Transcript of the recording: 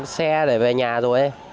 xe để về nhà rồi